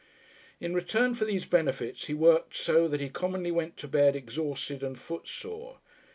In return for these benefits he worked so that he commonly went to bed exhausted and footsore.